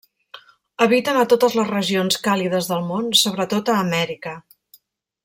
Habiten a totes les regions càlides del món, sobretot a Amèrica.